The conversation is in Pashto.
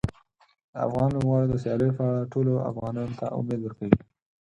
د افغان لوبغاړو د سیالیو په اړه ټولو افغانانو ته امید ورکوي.